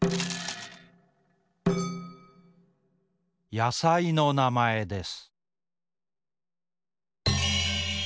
やさいのなまえです。